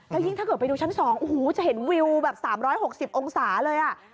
แล้วยิ่งถ้าเกิดไปดูชั้น๒โอ้โหจะเห็นวิวแบบ๓๖๐องศาเลย